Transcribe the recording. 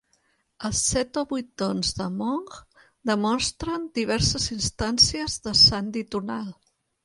Els set o vuit tons de hmong demostren diverses instàncies de sandhi tonal.